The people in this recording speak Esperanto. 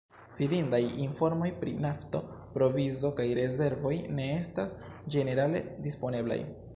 Fidindaj informoj pri nafto-provizo kaj -rezervoj ne estas ĝenerale disponeblaj.